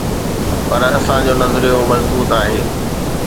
پر اسان جو نظريو مضبوط آهي.